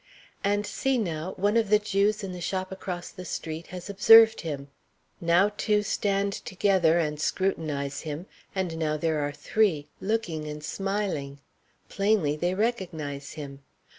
And see, now. One of the Jews in the shop across the street has observed him. Now two stand together and scrutinize him; and now there are three, looking and smiling. Plainly, they recognize him.